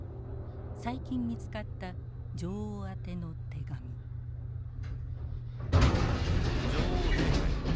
最近見つかった「女王陛下へ。